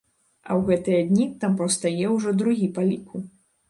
А ў гэтыя дні там паўстае ўжо другі па ліку.